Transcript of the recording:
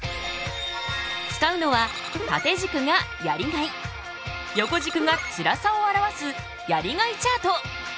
使うのは縦軸がやりがい横軸がつらさを表すやりがいチャート！